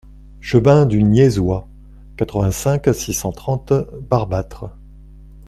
Chemin du Niaisois, quatre-vingt-cinq, six cent trente Barbâtre